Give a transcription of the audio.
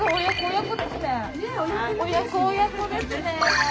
親子親子ですね。